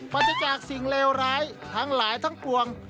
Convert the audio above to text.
ปฏิจากสิ่งเลวร้ายทั้งหลายทั้งปวง